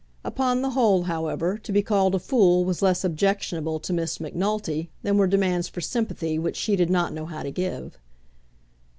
Upon the whole, however, to be called a fool was less objectionable to Miss Macnulty than were demands for sympathy which she did not know how to give.